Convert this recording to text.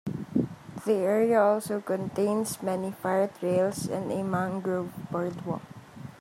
The area also contains many fire trails and a mangrove boardwalk.